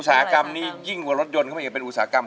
อุสาธารณ์นี้ยิ่งกว่ารถยนต์เขาเห็นเป็นอุสาธารณ์